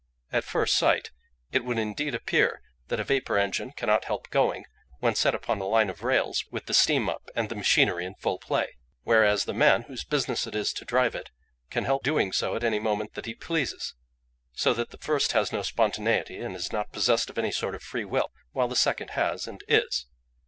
At first sight it would indeed appear that a vapour engine cannot help going when set upon a line of rails with the steam up and the machinery in full play; whereas the man whose business it is to drive it can help doing so at any moment that he pleases; so that the first has no spontaneity, and is not possessed of any sort of free will, while the second has and is.